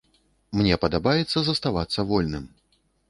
Мне падабаецца заставацца вольным.